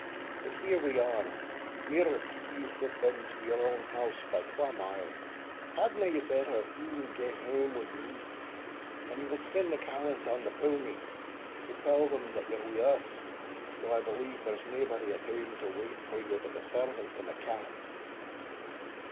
But here we are nearer to Heugh foot than to your house by twa mile, hadna ye better e'en gae hame wi' me, and we'll send the callant on the powny to tell them that you are wi' us, though I believe there's naebody at hame to wait for you but the servants and the cat."